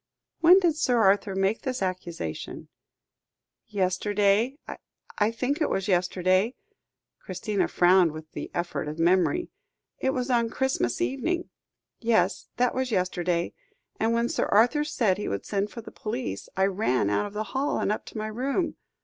"When did Sir Arthur make this accusation?" "Yesterday; I think it was yesterday," Christina frowned with the effort of memory. "It was on Christmas evening yes, that was yesterday. And when Sir Arthur said he would send for the police, I ran out of the hall, and up to my room.